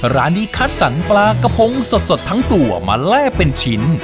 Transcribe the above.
ร้านนี้คัดสรรปลากระพงสดทั้งตัวมาแล่เป็นชิ้น